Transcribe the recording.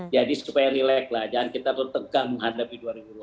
jadi supaya rilek lah jangan kita terlalu tegang menghadapi dua ribu dua puluh empat